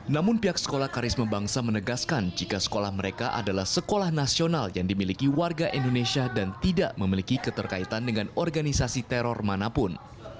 namun pihak sekolah karisma bangsa menegaskan jika sekolah mereka adalah sekolah nasional yang dimiliki warga indonesia dan tidak memiliki keterkaitan dengan organisasi teror manapun